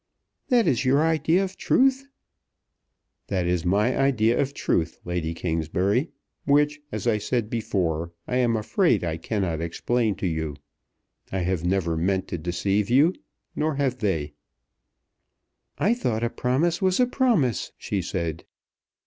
"That is your idea of truth." "That is my idea of truth, Lady Kingsbury; which, as I said before, I am afraid I cannot explain to you. I have never meant to deceive you; nor have they." "I thought a promise was a promise," she said.